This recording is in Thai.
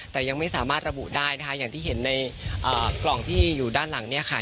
แต่ยังไม่สามารถระบุได้นะคะอย่างที่เห็นในกล่องที่อยู่ด้านหลังเนี่ยค่ะ